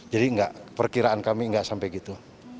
jadi perkiraan kami enggak sampai gitu